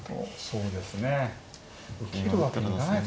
そうですね。